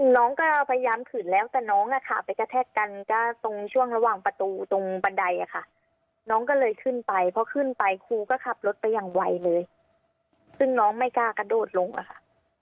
น้องก็พยายามขืนแล้วแต่น้องนะคะไปกระแทกกันก็ตรงช่วงระหว่างประตูตรงบันไดอะค่ะน้องก็เลยขึ้นไปเพราะขึ้นไปครูก็ขับรถไปอย่างไวเลยซึ่งน้องไม่กล้ากระโดดลงอะค่ะ